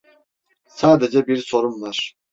Sadece bir sorum var.